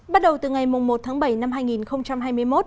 bắt đầu từ ngày một tháng bảy năm hai nghìn hai mươi một